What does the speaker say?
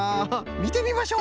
みてみましょう！